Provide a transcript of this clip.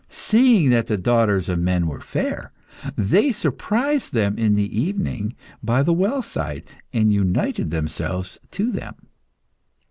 Seeing that the daughters of men were fair, they surprised them in the evening by the wellside, and united themselves to them.